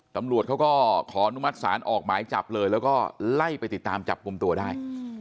ตำรวจเขาก็ขออนุมัติศาลออกหมายจับเลยแล้วก็ไล่ไปติดตามจับกลุ่มตัวได้